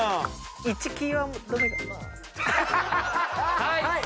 はい！